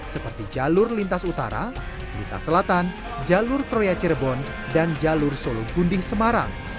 seperti jalur lintas utara lintas selatan jalur troya cirebon dan jalur solo gunding semarang